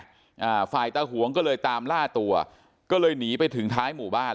อ่าฝ่ายตาหวงก็เลยตามล่าตัวก็เลยหนีไปถึงท้ายหมู่บ้าน